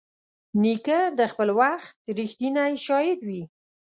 نیکه د خپل وخت رښتینی شاهد وي.